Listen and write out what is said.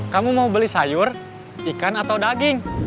kamu mau beli sayur ikan atau daging